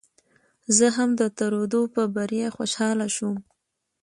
زه هم د ترودو په بري خوشاله شوم.